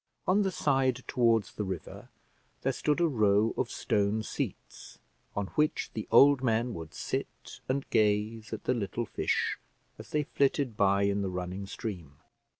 On the side towards the river, there stood a row of stone seats, on which the old men would sit and gaze at the little fish, as they flitted by in the running stream.